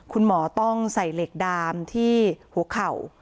คุณหมอต้องใส่เหล็กดามที่หัวเข่า